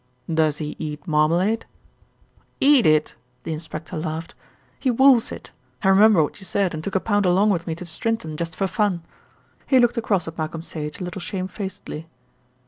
"Does he eat marmalade?" "Eat it!" the inspector laughed. "He wolfs it. I remembered what you said and took a pound along with me to Strinton, just for fun." He looked across at Malcolm Sage a little shamefacedly.